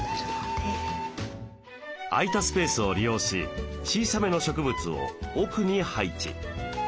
空いたスペースを利用し小さめの植物を奥に配置。